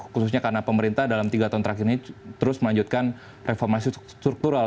khususnya karena pemerintah dalam tiga tahun terakhir ini terus melanjutkan reformasi struktural